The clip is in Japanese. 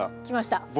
きました。